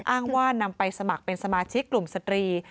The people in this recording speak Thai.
อ้างว่านำไปสมัครเป็นสมาชิกกลุ่มสตรี